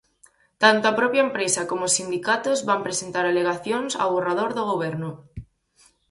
Tanto a propia empresa como os sindicatos van presentar alegacións ao borrador do Goberno.